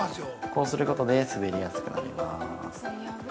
こうすることで、滑りやすくなります。